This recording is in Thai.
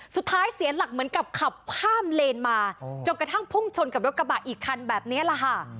เสียหลักเหมือนกับขับข้ามเลนมาจนกระทั่งพุ่งชนกับรถกระบะอีกคันแบบนี้แหละค่ะ